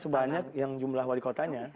sebanyak yang jumlah wali kotanya